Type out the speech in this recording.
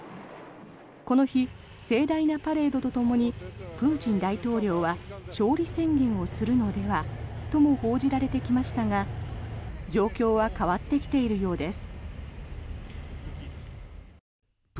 この日、盛大なパレードとともにプーチン大統領は勝利宣言をするのではとも報じられてきましたが状況は変わってきているようです。